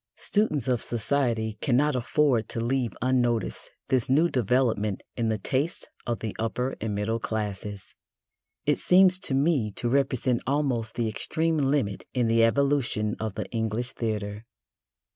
Students of society cannot afford to leave unnoticed this new development in the tastes of the upper and middle classes. It seems to me to represent almost the extreme limit in the evolution of the English theatre.